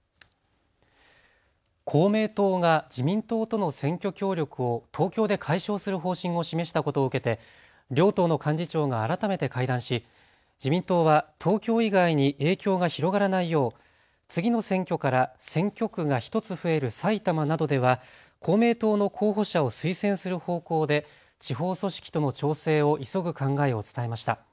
公明党が自民党との選挙協力を東京で解消する方針を示したことを受けて両党の幹事長が改めて会談し自民党は東京以外に影響が広がらないよう次の選挙から選挙区が１つ増える埼玉などでは公明党の候補者を推薦する方向で地方組織との調整を急ぐ考えを伝えました。